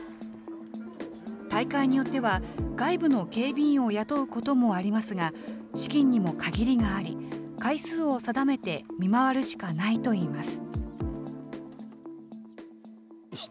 大会によっては、外部の警備員を雇うこともありますが、資金にも限りがあり、回数を定めて見回るしかないといいます。